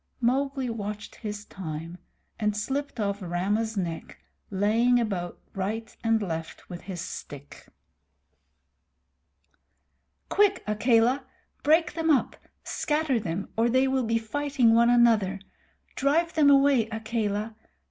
Mowgli watched his time, and slipped off Rama's neck, laying about him right and left with his stick. "Quick, Akela! Break them up. Scatter them, or they will be fighting one another. Drive them away, Akela.